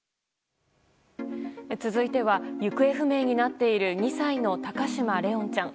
続いては行方不明になっている２歳の高嶋怜音ちゃん。